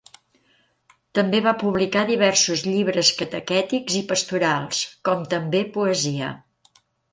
També va publicar diversos llibres catequètics i pastorals, com també poesia.